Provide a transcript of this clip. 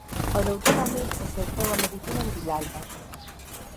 O doutor Ramil exerceu a medicina en Vilalba.